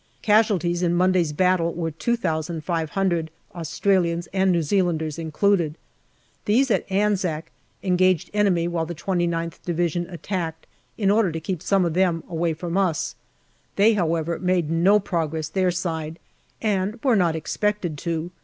Casualties in Monday's battle were 2,500, Australians and New Zealanders included. These, at Anzac, engaged enemy while the 2Qth Division attacked, in order to keep some of them away from us. They, how 156 JULY 157 ever, made no progress their side, and were not expected to.